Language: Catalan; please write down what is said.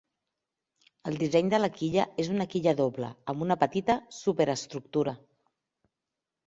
El disseny de la quilla és una quilla doble, amb una petita superestructura.